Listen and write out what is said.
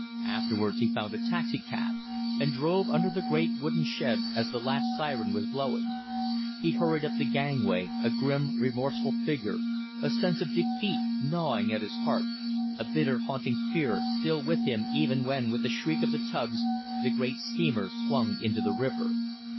Afterwards he found a taxicab, and drove under the great wooden shed as the last siren was blowing. He hurried up the gangway, a grim, remorseful figure, a sense of defeat gnawing at his heart, a bitter, haunting fear still with him even when, with a shriek of the tugs, the great steamer swung into the river.